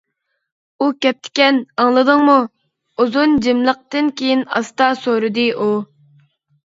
-ئۇ كەپتىكەن، ئاڭلىدىڭمۇ؟ -ئۇزۇن جىملىقتىن كېيىن ئاستا سورىدى ئۇ.